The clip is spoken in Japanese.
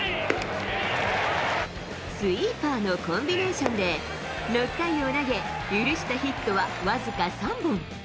スイーパーのコンビネーションで６回を投げ、許したヒットは僅か３本。